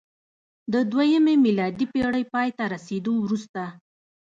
د دویمې میلادي پېړۍ پای ته رسېدو وروسته